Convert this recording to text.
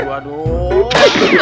aduh aduh aduh